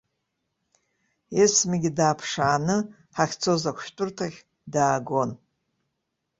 Есмагьы дааԥшааны, ҳахьцоз ахәшәтәырҭахь даагон.